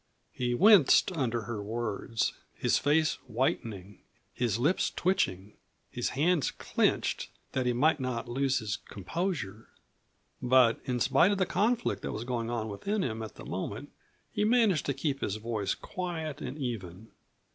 He winced under her words, his face whitening, his lips twitching, his hands clenched that he might not lose his composure. But in spite of the conflict that was going on within him at the moment he managed to keep his voice quiet and even.